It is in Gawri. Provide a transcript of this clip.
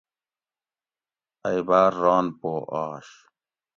ائی باۤر ران پو آش